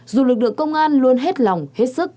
dù lực lượng công an luôn hết lòng hết sức